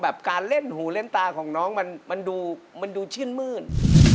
แบบการเล่นหูเล่นตาของน้องมันดูเชื่อนมื้อน